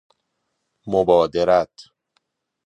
مبادرت